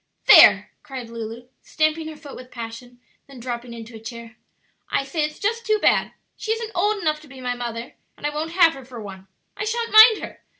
"There!" cried Lulu, stamping her foot with passion, then dropping into a chair, "I say it's just too bad! She isn't old enough to be my mother, and I won't have her for one; I sha'n't mind her!